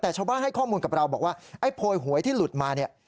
แต่ชาวบ้านให้ข้อมูลกับเราบอกว่าไอ้โพยหวยที่หลุดมาเนี่ย